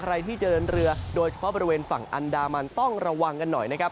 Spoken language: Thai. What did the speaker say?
ใครที่จะเดินเรือโดยเฉพาะบริเวณฝั่งอันดามันต้องระวังกันหน่อยนะครับ